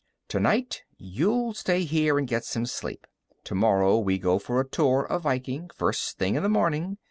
"Tonight, you'll stay here and get some sleep. Tomorrow, we go for a tour of Viking, first thing in the morning.